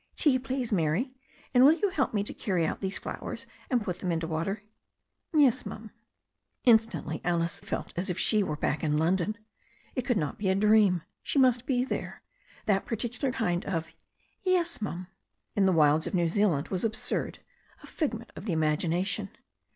"Tea, please, Mary. And will you help me to carry out these flowers and put them into water." "Yes, ma'am." Instantly Alice felt as if she were back in London. It could not be a dream. She must be there. That particular kind of "Yes, ma'am" in the wilds of New Zealand was absurd, a figment of the imagination.